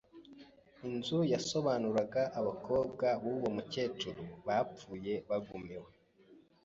Inzu yasobanuraga abakobwa b’uwo mukecuru bapfuye bagumiwe,